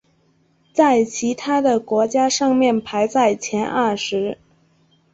在其他的国家上面排在前二十。